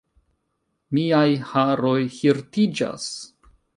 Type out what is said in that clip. Miaj haroj hirtiĝas!